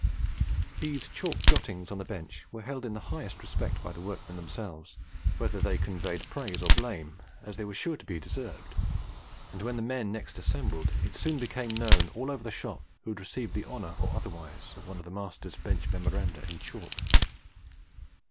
These chalk jottings on the bench were held in the highest respect by the workmen themselves, whether they conveyed praise or blame, as they were sure to be deserved; and when the men next assembled, it soon became known all over the shop who had received the honour or otherwise of one of the master's bench memoranda in chalk."